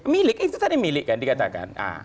milik itu tadi milik kan dikatakan